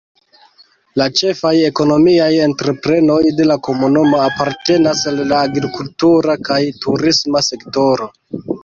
La ĉefaj ekonomiaj entreprenoj de la komunumo apartenas al la agrikultura kaj turisma sektoro.